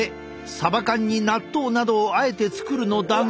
サバ缶に納豆などをあえて作るのだが。